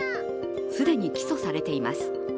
既に起訴されています。